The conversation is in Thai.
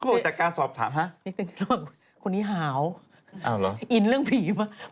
บอกจากการสอบถามฮะคนนี้หาวเหรออินเรื่องผีมาก